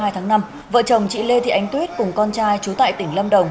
hai mươi tháng năm vợ chồng chị lê thị ánh tuyết cùng con trai trú tại tỉnh lâm đồng